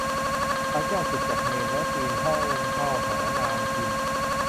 พลายแก้วสึกจากเณร แล้วปีนห้องเข้าหานางพิม